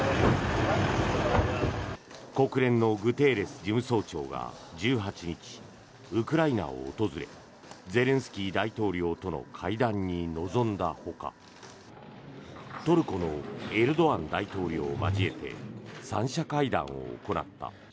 国連のグテーレス事務総長が１８日ウクライナを訪れゼレンスキー大統領との会談に臨んだほかトルコのエルドアン大統領を交えて３者会談を行った。